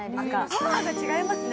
パワーが違いますね。